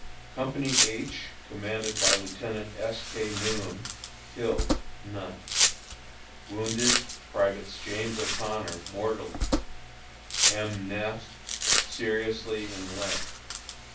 Company H, commanded by Lieutenant S. K. Newham. Killed: None. Wounded: Privates James O'Connor, mortally; M. Neff, seriously in leg.